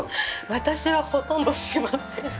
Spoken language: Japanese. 私はほとんどしません。